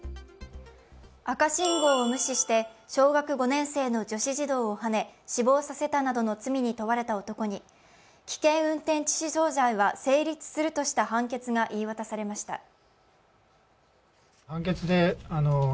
赤信号を無視して小学５年生の女子児童をはね、死亡させたなどの罪に問われた男に「危険運転致死傷罪は成立する」とした判決が言い渡されました。